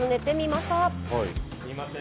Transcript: すいません